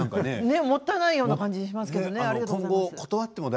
もったいない感じがしますけれどもね。